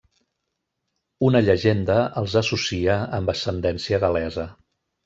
Una llegenda els associa amb ascendència gal·lesa.